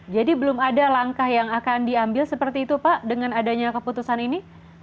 jadi belum ada langkah yang akan diambil seperti itu pak dengan adanya keputusan ini